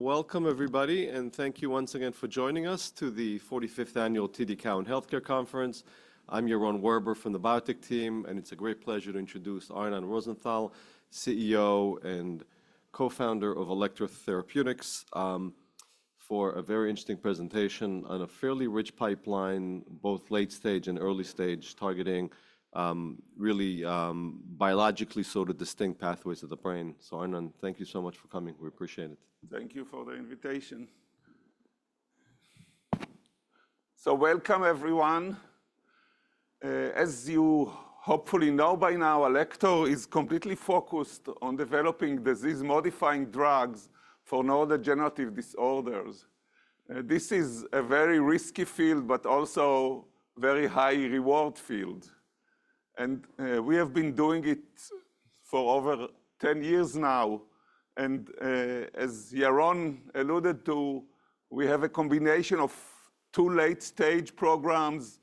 Welcome, everybody, and thank you once again for joining us to the 45th Annual TD Cowen Healthcare Conference. I'm Yaron Werber from the Biotech team, and it's a great pleasure to introduce Arnon Rosenthal, CEO and Co-founder of Alector Therapeutics, for a very interesting presentation on a fairly rich pipeline, both late stage and early stage, targeting really biologically sort of distinct pathways of the brain. Arnon, thank you so much for coming. We appreciate it. Thank you for the invitation. Welcome, everyone. As you hopefully know by now, Alector is completely focused on developing disease-modifying drugs for neurodegenerative disorders. This is a very risky field, but also a very high-reward field. We have been doing it for over 10 years now. As Yaron alluded to, we have a combination of two late-stage programs,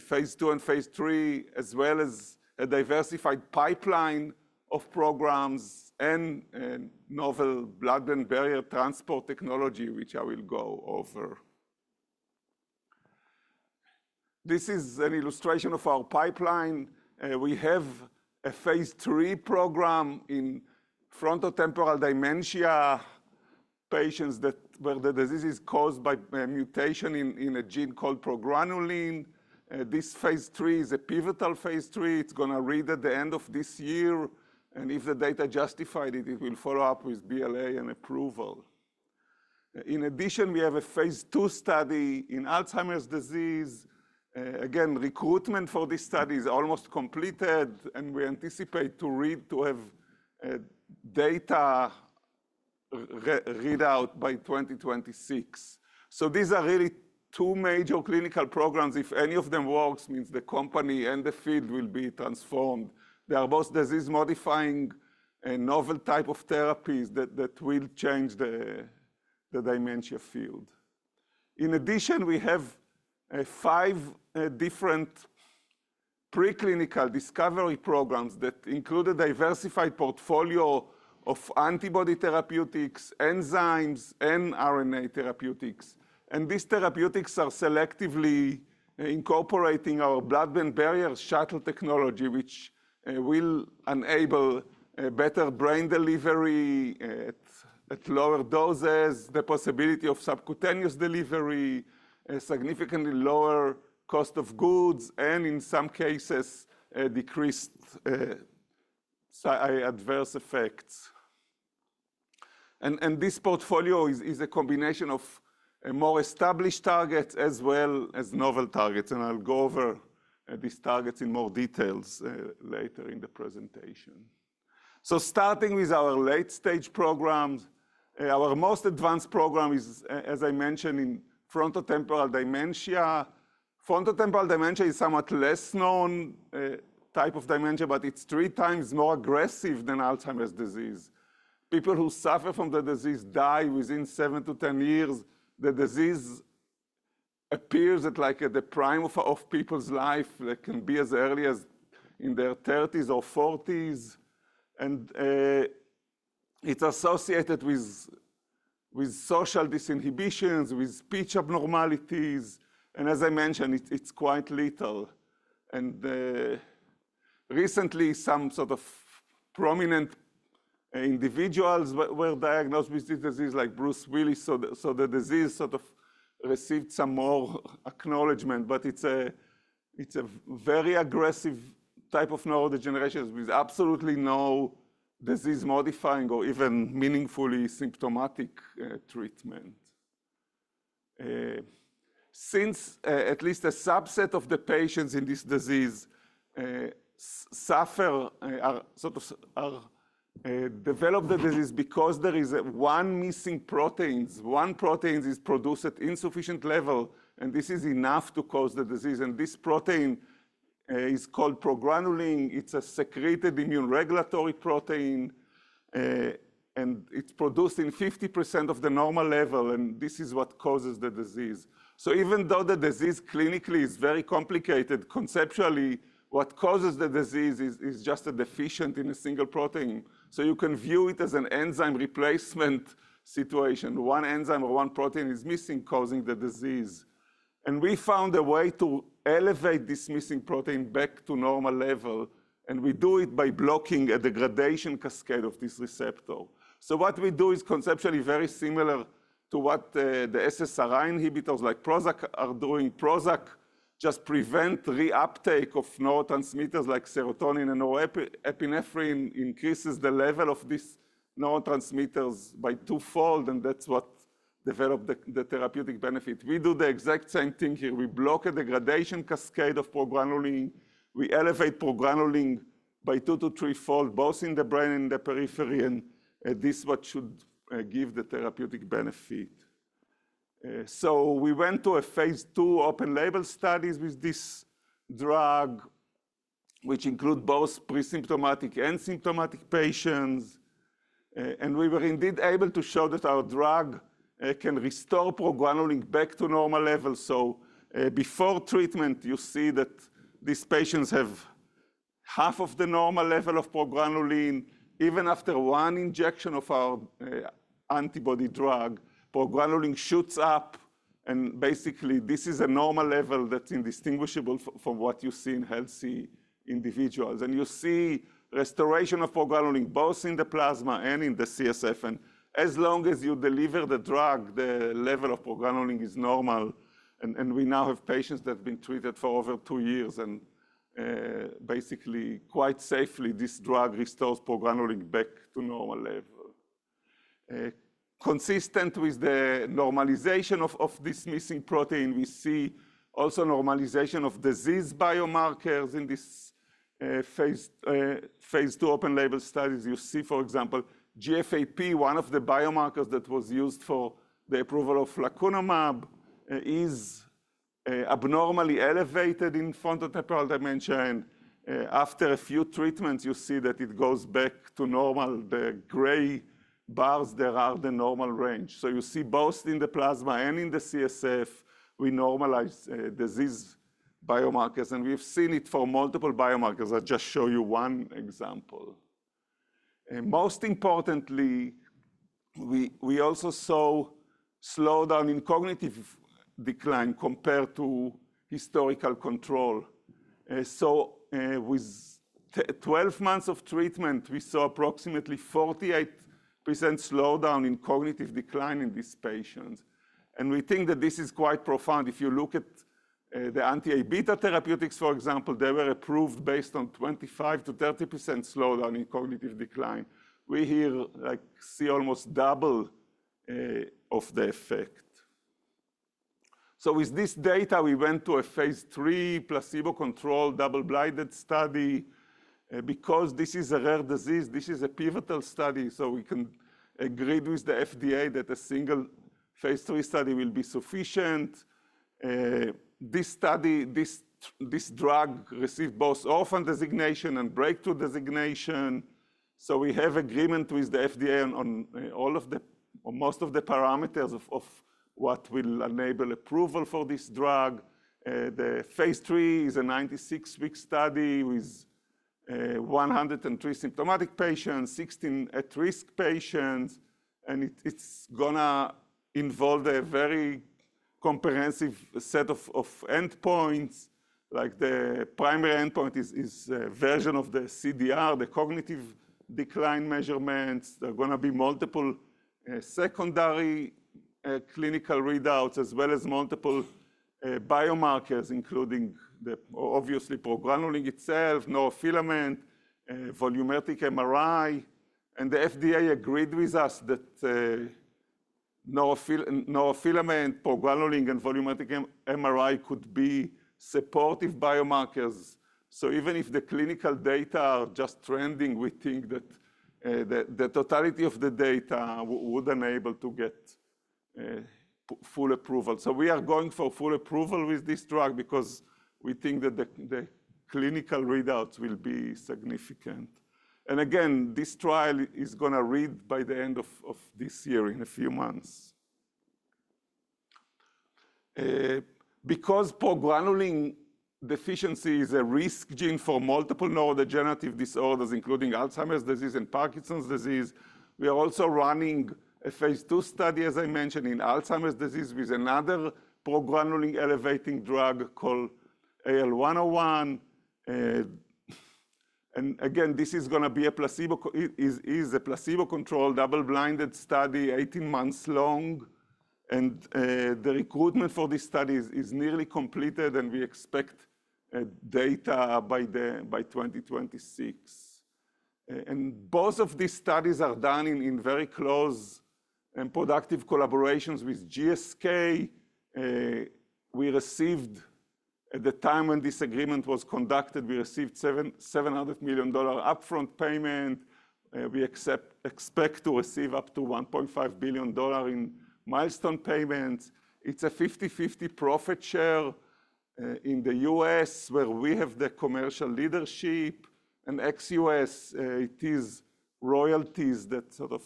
phase II and phase III, as well as a diversified pipeline of programs and novel blood-brain barrier transport technology, which I will go over. This is an illustration of our pipeline. We have a phase III program in frontotemporal dementia patients where the disease is caused by a mutation in a gene called progranulin. This phase III is a pivotal phase III. it is going to read at the end of this year. If the data justify it, it will follow up with BLA and approval. In addition, we have a phase II study in Alzheimer's disease. Again, recruitment for this study is almost completed, and we anticipate to read to have data read out by 2026. These are really two major clinical programs. If any of them works, it means the company and the field will be transformed. They are both disease-modifying and novel types of therapies that will change the dementia field. In addition, we have five different preclinical discovery programs that include a diversified portfolio of antibody therapeutics, enzymes, and RNA therapeutics. These therapeutics are selectively incorporating our blood-brain barrier shuttle technology, which will enable better brain delivery at lower doses, the possibility of subcutaneous delivery, a significantly lower cost of goods, and in some cases, decreased adverse effects. This portfolio is a combination of more established targets as well as novel targets. I'll go over these targets in more detail later in the presentation. Starting with our late-stage programs, our most advanced program is, as I mentioned, in frontotemporal dementia. Frontotemporal dementia is a somewhat less known type of dementia, but it's three times more aggressive than Alzheimer's disease. People who suffer from the disease die within seven to 10 years. The disease appears at the prime of people's life. They can be as early as in their 30s or 40s. It's associated with social disinhibitions, with speech abnormalities. As I mentioned, it's quite little. Recently, some sort of prominent individuals were diagnosed with this disease, like Bruce Willis. The disease received some more acknowledgment. It's a very aggressive type of neurodegeneration with absolutely no disease-modifying or even meaningfully symptomatic treatment. Since at least a subset of the patients in this disease suffer, sort of develop the disease because there is one missing protein. One protein is produced at insufficient level, and this is enough to cause the disease. This protein is called progranulin. It's a secreted immune regulatory protein, and it's produced in 50% of the normal level. This is what causes the disease. Even though the disease clinically is very complicated, conceptually, what causes the disease is just a deficient single protein. You can view it as an enzyme replacement situation. One enzyme or one protein is missing, causing the disease. We found a way to elevate this missing protein back to normal level. We do it by blocking a degradation cascade of this receptor. What we do is conceptually very similar to what the SSRI inhibitors like Prozac are doing. Prozac just prevents reuptake of neurotransmitters like serotonin and norepinephrine, increases the level of these neurotransmitters by twofold, and that's what developed the therapeutic benefit. We do the exact same thing here. We block a degradation cascade of progranulin. We elevate progranulin by two to threefold, both in the brain and in the periphery. This is what should give the therapeutic benefit. We went to a phase II open-label study with this drug, which includes both pre-symptomatic and symptomatic patients. We were indeed able to show that our drug can restore progranulin back to normal levels. Before treatment, you see that these patients have half of the normal level of progranulin. Even after one injection of our antibody drug, progranulin shoots up. Basically, this is a normal level that's indistinguishable from what you see in healthy individuals. You see restoration of progranulin both in the plasma and in the CSF. As long as you deliver the drug, the level of progranulin is normal. We now have patients that have been treated for over two years. Basically, quite safely, this drug restores progranulin back to normal level. Consistent with the normalization of this missing protein, we see also normalization of disease biomarkers in this phase II open-label studies. You see, for example, GFAP, one of the biomarkers that was used for the approval of lecanemab, is abnormally elevated in frontotemporal dementia. After a few treatments, you see that it goes back to normal. The gray bars there are the normal range. You see both in the plasma and in the CSF, we normalize disease biomarkers. We have seen it for multiple biomarkers. I'll just show you one example. Most importantly, we also saw a slowdown in cognitive decline compared to historical control. With 12 months of treatment, we saw approximately 48% slowdown in cognitive decline in these patients. We think that this is quite profound. If you look at the anti-amyloid beta therapeutics, for example, they were approved based on 25%-30% slowdown in cognitive decline. We here see almost double of the effect. With this data, we went to a phase III placebo-controlled double-blinded study. Because this is a rare disease, this is a pivotal study. We can agree with the FDA that a single phase III study will be sufficient. This drug received both orphan designation and Breakthrough designation. We have agreement with the FDA on all of the or most of the parameters of what will enable approval for this drug. The phase III is a 96-week study with 103 symptomatic patients, 16 at-risk patients. It is going to involve a very comprehensive set of endpoints. The primary endpoint is a version of the CDR, the cognitive decline measurements. There are going to be multiple secondary clinical readouts, as well as multiple biomarkers, including obviously progranulin itself, neurofilament, volumetric MRI. The FDA agreed with us that neurofilament, progranulin, and volumetric MRI could be supportive biomarkers. Even if the clinical data are just trending, we think that the totality of the data would enable to get full approval. We are going for full approval with this drug because we think that the clinical readouts will be significant. This trial is going to read by the end of this year, in a few months. Because progranulin deficiency is a risk gene for multiple neurodegenerative disorders, including Alzheimer's disease and Parkinson's disease, we are also running a phase II study, as I mentioned, in Alzheimer's disease with another progranulin-elevating drug called AL-101. This is going to be a placebo-controlled double-blinded study, 18 months long. The recruitment for this study is nearly completed, and we expect data by 2026. Both of these studies are done in very close and productive collaborations with GSK. We received, at the time when this agreement was conducted, $700 million upfront payment. We expect to receive up to $1.5 billion in milestone payments. It's a 50/50 profit share in the U.S., where we have the commercial leadership. XUS, it is royalties that sort of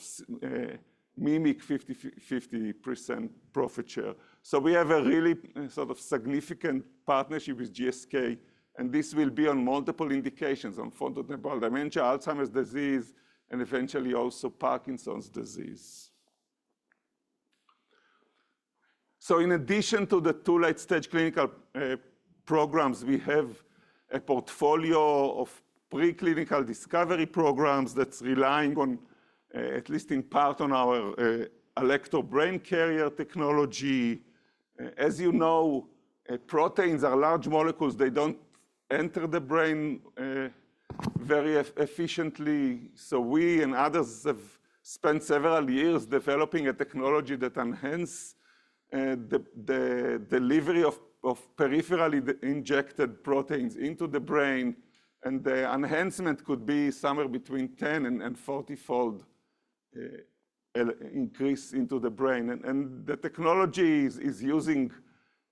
mimic 50% profit share. We have a really sort of significant partnership with GSK. This will be on multiple indications: on Frontotemporal dementia, Alzheimer's disease, and eventually also Parkinson's disease. In addition to the two late-stage clinical programs, we have a portfolio of preclinical discovery programs that's relying on, at least in part, on our Alector Brain Carrier technology. As you know, proteins are large molecules. They don't enter the brain very efficiently. We and others have spent several years developing a technology that enhanced the delivery of peripherally injected proteins into the brain. The enhancement could be somewhere between 10- to 40-fold increase into the brain. The technology is using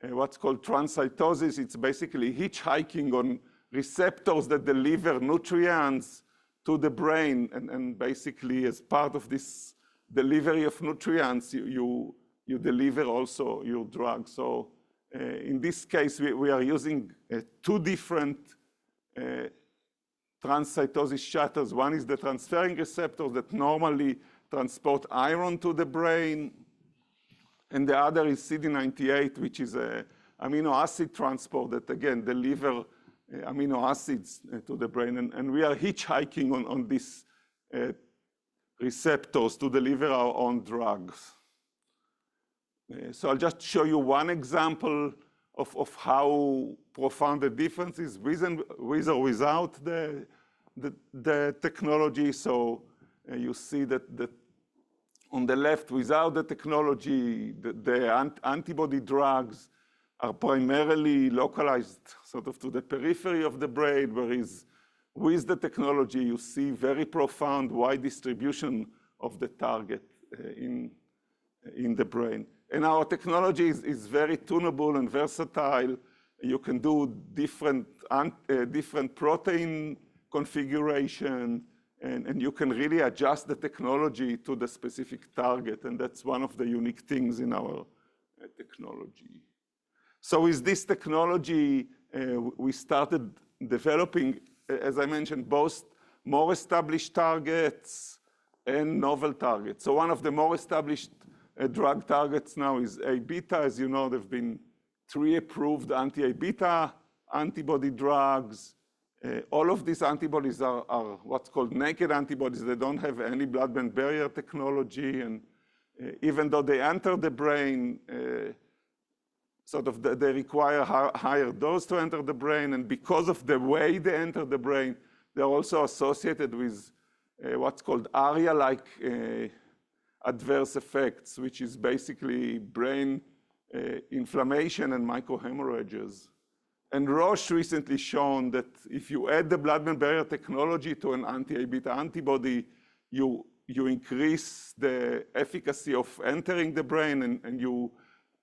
what's called transcytosis. It's basically hitchhiking on receptors that deliver nutrients to the brain. Basically, as part of this delivery of nutrients, you deliver also your drug. In this case, we are using two different transcytosis shuttles. One is the transferrin receptor that normally transport iron to the brain. The other is CD98, which is an amino acid transport that, again, delivers amino acids to the brain. We are hitchhiking on these receptors to deliver our own drugs. I'll just show you one example of how profound the difference is with or without the technology. You see that on the left, without the technology, the antibody drugs are primarily localized sort of to the periphery of the brain. Whereas with the technology, you see very profound wide distribution of the target in the brain. Our technology is very tunable and versatile. You can do different protein configurations, and you can really adjust the technology to the specific target. That's one of the unique things in our technology. With this technology, we started developing, as I mentioned, both more established targets and novel targets. One of the more established drug targets now is amyloid beta. As you know, there have been three approved anti-amyloid beta antibody drugs. All of these antibodies are what's called naked antibodies. They do not have any blood-brain barrier technology. Even though they enter the brain, they require a higher dose to enter the brain. Because of the way they enter the brain, they are also associated with what's called ARIA-like adverse effects, which is basically brain inflammation and microhemorrhages. Roche recently showed that if you add the blood-brain barrier technology to an anti-amyloid beta antibody, you increase the efficacy of entering the brain, and you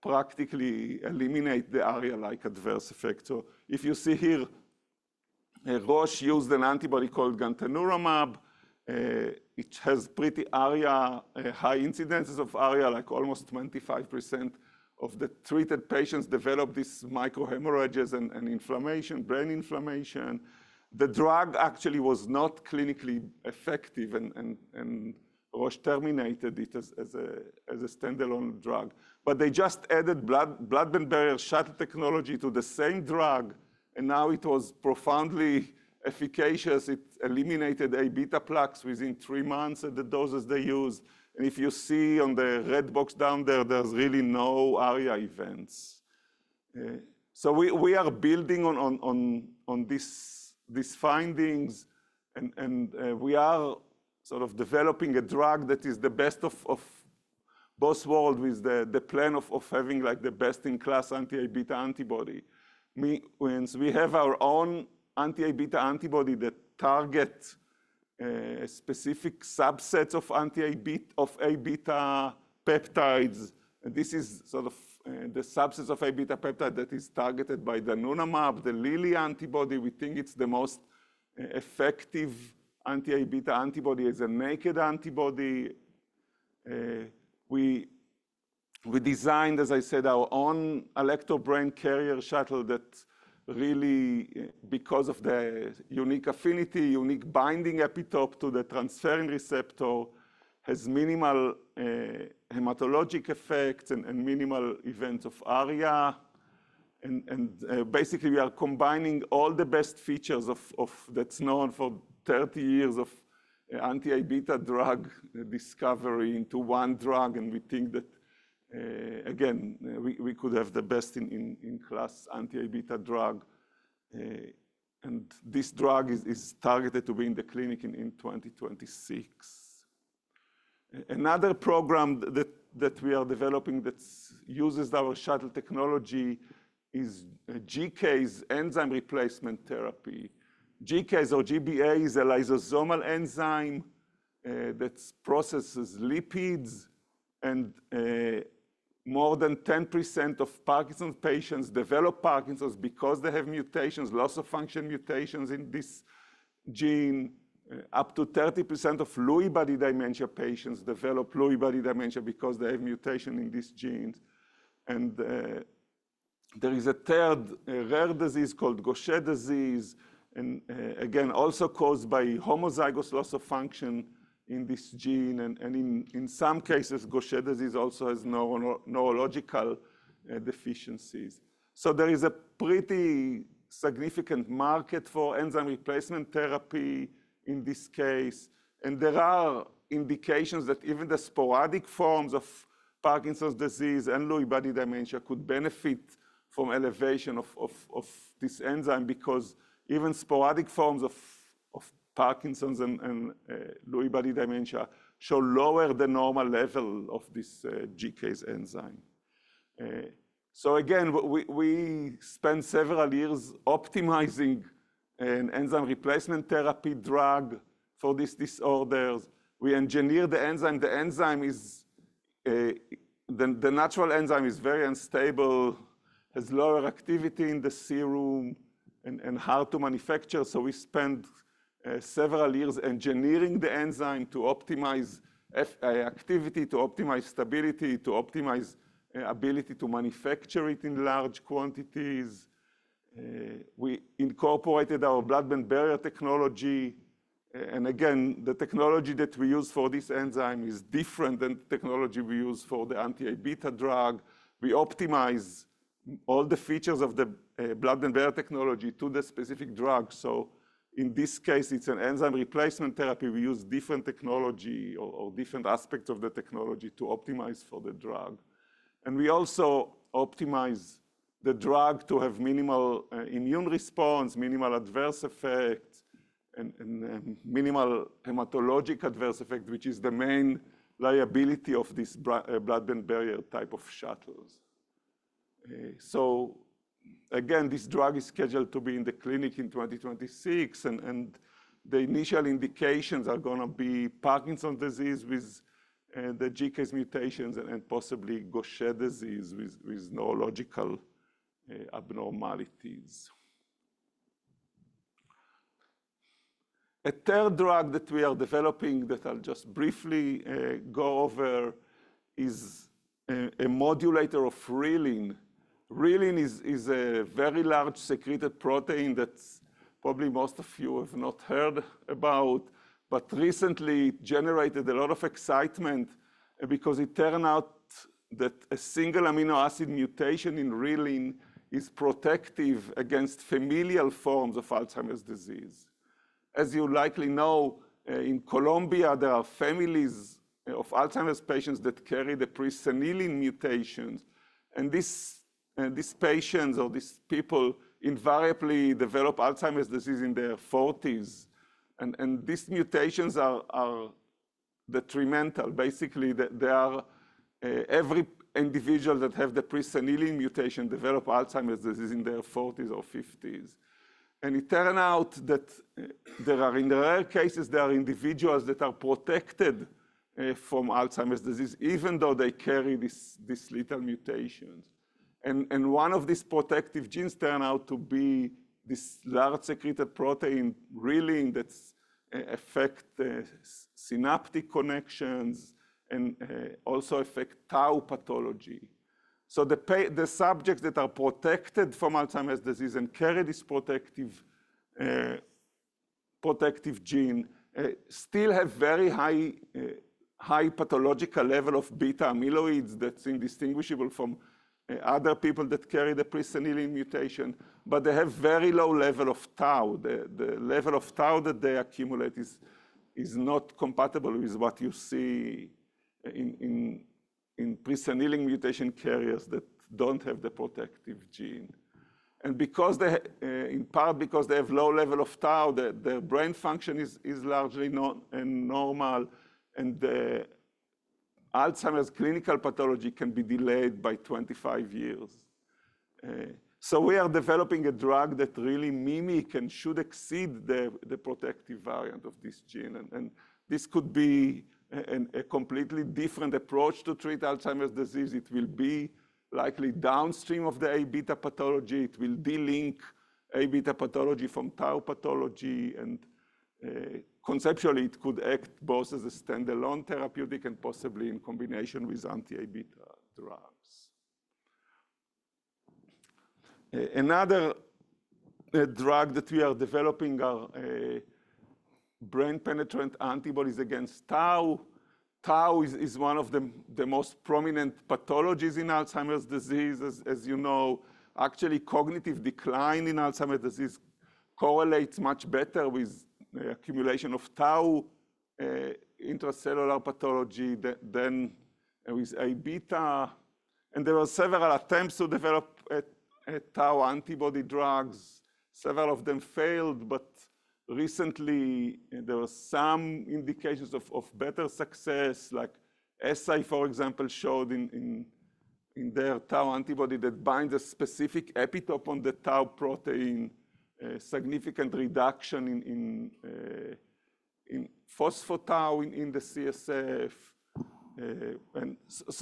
practically eliminate the ARIA-like adverse effect. If you see here, Roche used an antibody called gantenerumab. It has pretty high incidences of ARIA, like almost 25% of the treated patients develop these microhemorrhages and inflammation, brain inflammation. The drug actually was not clinically effective, and Roche terminated it as a standalone drug. They just added blood-brain barrier shuttle technology to the same drug, and now it was profoundly efficacious. It eliminated amyloid beta plaques within three months at the doses they used. If you see on the red box down there, there's really no ARIA events. We are building on these findings, and we are sort of developing a drug that is the best of both worlds with the plan of having like the best-in-class anti-amyloid beta antibody. We have our own anti-amyloid beta antibody that targets specific subsets of amyloid beta peptides. This is sort of the subset of amyloid beta peptide that is targeted by donanemab, the Lilly antibody. We think it's the most effective anti-amyloid beta antibody as a naked antibody. We designed, as I said, our own Alector Brain Carrier shuttle that really, because of the unique affinity, unique binding epitope to the transferrin receptor, has minimal hematologic effects and minimal events of ARIA. Basically, we are combining all the best features of what's known for 30 years of anti-amyloid beta drug discovery into one drug. We think that, again, we could have the best-in-class anti-amyloid beta drug. This drug is targeted to be in the clinic in 2026. Another program that we are developing that uses our shuttle technology is GBA enzyme replacement therapy. GBA is a lysosomal enzyme that processes lipids. More than 10% of Parkinson's patients develop Parkinson's because they have mutations, loss-of-function mutations in this gene. Up to 30% of Lewy Body Dementia patients develop Lewy Body Dementia because they have mutation in this gene. There is a third rare disease called Gaucher disease, and again, also caused by homozygous loss-of-function in this gene. In some cases, Gaucher disease also has neurological deficiencies. There is a pretty significant market for enzyme replacement therapy in this case. There are indications that even the sporadic forms of Parkinson's disease and Lewy Body Dementia could benefit from elevation of this enzyme because even sporadic forms of Parkinson's and Lewy Body Dementia show lower than normal level of this GBA enzyme. We spent several years optimizing an enzyme replacement therapy drug for these disorders. We engineered the enzyme. The natural enzyme is very unstable, has lower activity in the serum, and is hard to manufacture. We spent several years engineering the enzyme to optimize activity, to optimize stability, to optimize ability to manufacture it in large quantities. We incorporated our blood-brain barrier technology. Again, the technology that we use for this enzyme is different than the technology we use for the anti-A-beta drug. We optimize all the features of the blood-brain barrier technology to the specific drug. In this case, it's an enzyme replacement therapy. We use different technology or different aspects of the technology to optimize for the drug. We also optimize the drug to have minimal immune response, minimal adverse effects, and minimal hematologic adverse effect, which is the main liability of this blood-brain barrier type of shuttles. Again, this drug is scheduled to be in the clinic in 2026. The initial indications are going to be Parkinson's disease with the GBA mutations and possibly Gaucher disease with neurological abnormalities. A third drug that we are developing that I'll just briefly go over is a modulator of Reelin. Reelin is a very large secreted protein that probably most of you have not heard about. Recently, it generated a lot of excitement because it turned out that a single amino acid mutation in Reelin is protective against familial forms of Alzheimer's disease. As you likely know, in Colombia, there are families of Alzheimer's patients that carry the presenilin mutations. These patients, or these people, invariably develop Alzheimer's disease in their 40s. These mutations are detrimental. Basically, every individual that has the presenilin mutation develops Alzheimer's disease in their 40s or 50s. It turned out that there are, in rare cases, individuals that are protected from Alzheimer's disease, even though they carry these little mutations. One of these protective genes turned out to be this large secreted protein, Reelin, that affects synaptic connections and also affects tau pathology. The subjects that are protected from Alzheimer's disease and carry this protective gene still have a very high pathological level of amyloid beta that is indistinguishable from other people that carry the presenilin mutation. They have a very low level of tau. The level of tau that they accumulate is not compatible with what you see in presenilin mutation carriers that do not have the protective gene. In part because they have a low level of tau, their brain function is largely normal. Alzheimer's clinical pathology can be delayed by 25 years. We are developing a drug that really mimics and should exceed the protective variant of this gene. This could be a completely different approach to treat Alzheimer's disease. It will be likely downstream of the amyloid beta pathology. It will delink amyloid beta pathology from tau pathology. Conceptually, it could act both as a standalone therapeutic and possibly in combination with anti-amyloid beta drugs. Another drug that we are developing are brain-penetrating antibodies against tau. Tau is one of the most prominent pathologies in Alzheimer's disease, as you know. Actually, cognitive decline in Alzheimer's disease correlates much better with accumulation of tau intracellular pathology than with amyloid beta. There were several attempts to develop tau antibody drugs. Several of them failed. Recently, there were some indications of better success, like Eisai, for example, showed in their tau antibody that binds a specific epitope on the tau protein, significant reduction in phosphotau in the CSF.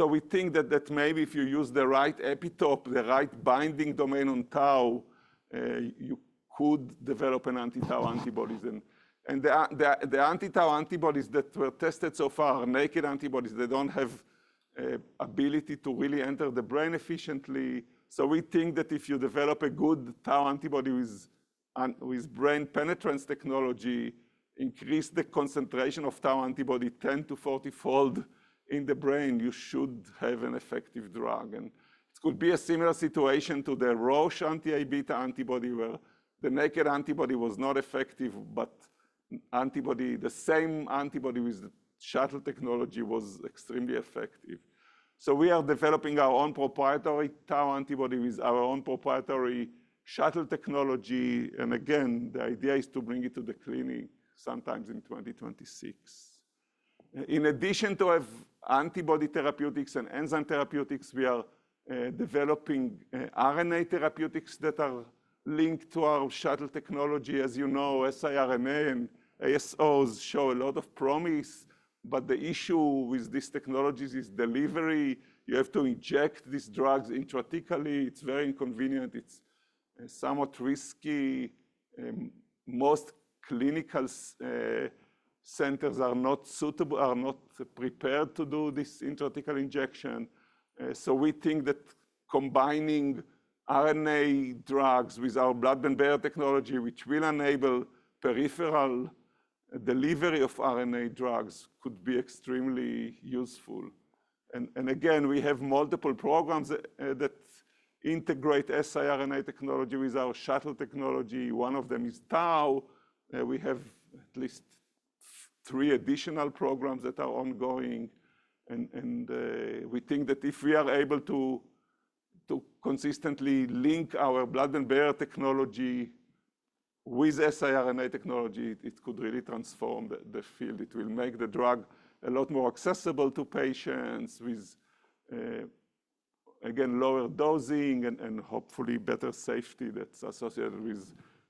We think that maybe if you use the right epitope, the right binding domain on tau, you could develop anti-tau antibodies. The anti-tau antibodies that were tested so far are naked antibodies. They do not have the ability to really enter the brain efficiently. We think that if you develop a good tau antibody with brain penetrance technology, increase the concentration of tau antibody 10-40-fold in the brain, you should have an effective drug. It could be a similar situation to the Roche anti-amyloid beta antibody, where the naked antibody was not effective, but the same antibody with shuttle technology was extremely effective. We are developing our own proprietary tau antibody with our own proprietary shuttle technology. The idea is to bring it to the clinic sometime in 2026. In addition to antibody therapeutics and enzyme therapeutics, we are developing RNA therapeutics that are linked to our shuttle technology. As you know, siRNA and ASOs show a lot of promise. The issue with these technologies is delivery. You have to inject these drugs intrathecally. It's very inconvenient. It's somewhat risky. Most clinical centers are not prepared to do this intrathecal injection. We think that combining RNA drugs with our blood-brain barrier technology, which will enable peripheral delivery of RNA drugs, could be extremely useful. We have multiple programs that integrate siRNA technology with our shuttle technology. One of them is tau. We have at least three additional programs that are ongoing. We think that if we are able to consistently link our blood-brain barrier technology with siRNA technology, it could really transform the field. It will make the drug a lot more accessible to patients with, again, lower dosing and hopefully better safety that is associated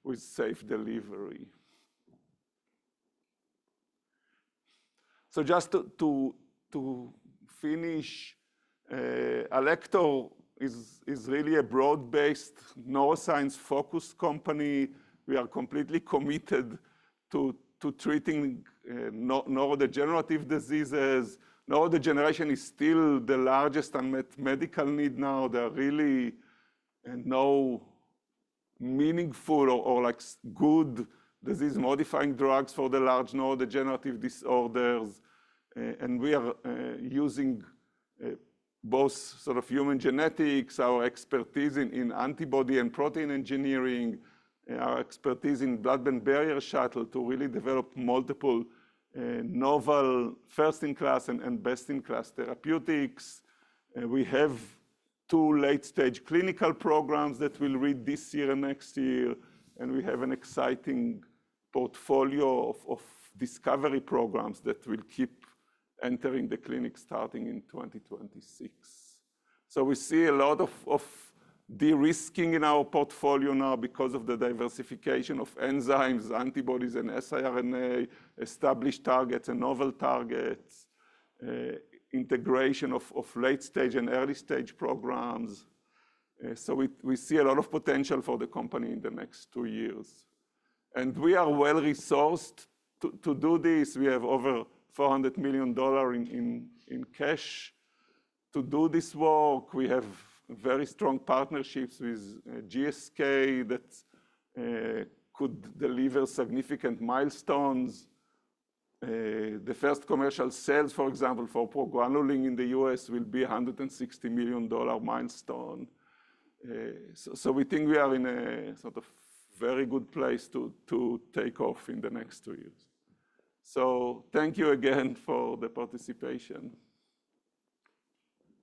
with safe delivery. Just to finish, Alector is really a broad-based neuroscience-focused company. We are completely committed to treating neurodegenerative diseases. Neurodegeneration is still the largest unmet medical need now. There are really no meaningful or good disease-modifying drugs for the large neurodegenerative disorders. We are using both sort of human genetics, our expertise in antibody and protein engineering, our expertise in blood-brain barrier shuttle to really develop multiple novel, first-in-class and best-in-class therapeutics. We have two late-stage clinical programs that will read this year and next year. We have an exciting portfolio of discovery programs that will keep entering the clinic starting in 2026. We see a lot of de-risking in our portfolio now because of the diversification of enzymes, antibodies, and siRNA, established targets and novel targets, integration of late-stage and early-stage programs. We see a lot of potential for the company in the next two years. We are well-resourced to do this. We have over $400 million in cash to do this work. We have very strong partnerships with GSK that could deliver significant milestones. The first commercial sales, for example, for progranulin in the U.S. will be a $160 million milestone. We think we are in a sort of very good place to take off in the next two years. Thank you again for the participation.